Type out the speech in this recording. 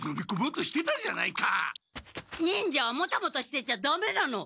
忍者はモタモタしてちゃダメなの！